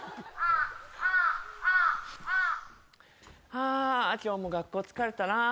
あ今日も学校疲れたな。